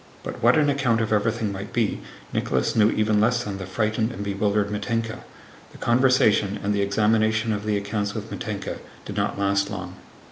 But what an account of everything might be Nicholas knew even less than the frightened and bewildered Mítenka. The conversation and the examination of the accounts with Mítenka did not last long.